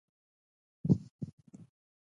خلک دا وسایل ازمويي.